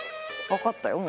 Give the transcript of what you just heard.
分かったよ